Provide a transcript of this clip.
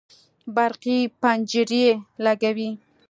برقي پنجرې لګوي